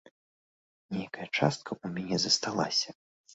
Нейкая частка ў мяне засталася.